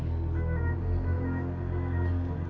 lihat ada apa ini